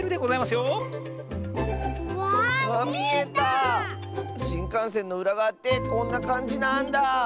しんかんせんのうらがわってこんなかんじなんだ。